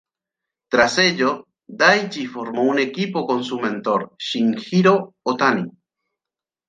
Tras ello, Daichi formó un equipo con su mentor Shinjiro Otani.